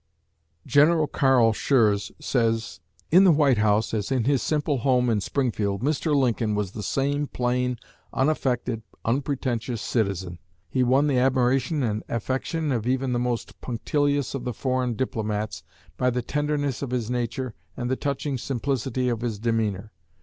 '" General Carl Schurz says: "In the White House, as in his simple home in Springfield, Mr. Lincoln was the same plain, unaffected, unpretentious citizen. He won the admiration and affection of even the most punctilious of the foreign diplomats by the tenderness of his nature and the touching simplicity of his demeanor....